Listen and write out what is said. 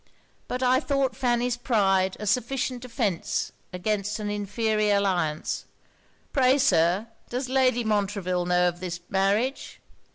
But I thought Fanny's pride a sufficient defence against an inferior alliance. Pray Sir, does Lady Montreville know of this marriage?'